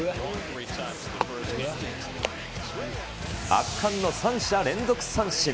圧巻の３者連続三振。